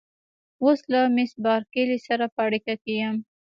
اوس له مېس بارکلي سره په اړیکه کې یم.